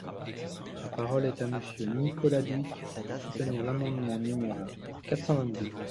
La parole est à Monsieur Nicolas Dhuicq, pour soutenir l’amendement numéro quatre cent vingt-deux.